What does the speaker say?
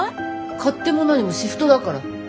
勝手も何もシフトだから。